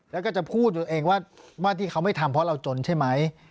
แล้วก็จะพูดตัวเองว่าที่เขาไม่ทำเพราะเราจนใช่ไหม